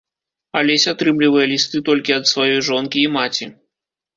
Алесь атрымлівае лісты толькі ад сваёй жонкі і маці.